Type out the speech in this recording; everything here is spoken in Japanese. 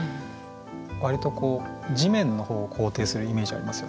割とこう地面の方を肯定するイメージありますよね。